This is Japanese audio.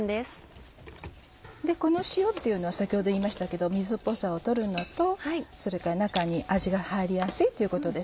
この塩というのは先ほど言いましたけど水っぽさを取るのとそれから中に味が入りやすいということ。